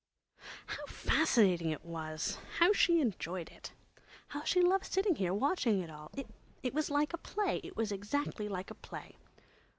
Oh, how fascinating it was! How she enjoyed it! How she loved sitting here, watching it all! It was like a play. It was exactly like a play.